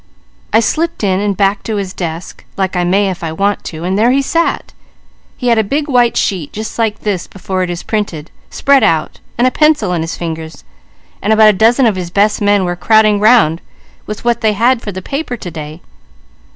"I slipped in and back to his desk, like I may if I want to, and there he sat. He had a big white sheet just like this before it is printed, spread out, and a pencil in his fingers, and about a dozen of his best men were crowding 'round with what they had for the paper to day.